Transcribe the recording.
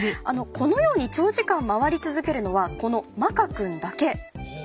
このように長時間回り続けるのはこのマカくんだけ。